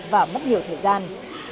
và mất nhiều thời gian